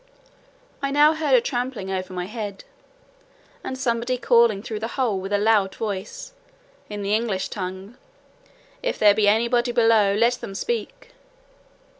I now heard a trampling over my head, and somebody calling through the hole with a loud voice, in the English tongue, "If there be any body below, let them speak."